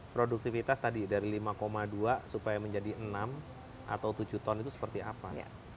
produktivitas tadi dari lima dua supaya menjadi enam atau tujuh ton itu seperti apa